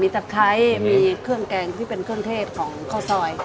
ตะไคร้มีเครื่องแกงที่เป็นเครื่องเทศของข้าวซอย